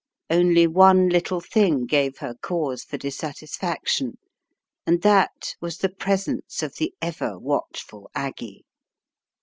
Only one little thing gave her cause for dis satisfaction, and that was the presence of the ever watchful Aggie.